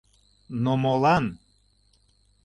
— Но молан?